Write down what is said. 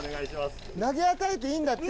投げ与えていいんだって。